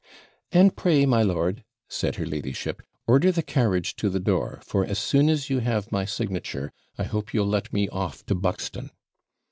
'And pray, my lord,' said her ladyship, 'order the carriage to the door; for, as soon as you have my signature, I hope you'll let me off to Buxton.'